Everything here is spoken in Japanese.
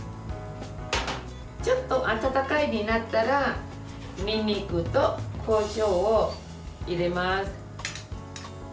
ちょっと温かいになったらにんにくと、こしょうを入れます。